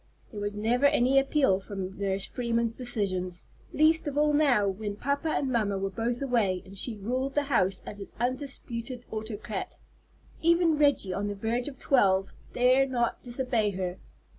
There was never any appeal from Nurse Freeman's decisions, least of all now when papa and mamma were both away, and she ruled the house as its undisputed autocrat. Even Reggie, on the verge of twelve, dare not disobey her.